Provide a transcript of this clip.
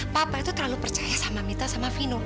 papa itu terlalu percaya sama mita sama vino